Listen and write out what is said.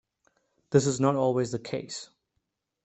This is not always the case.